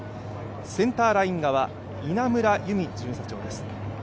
センターライン側稲村優美巡査長です。